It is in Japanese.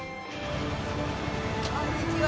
こんにちは。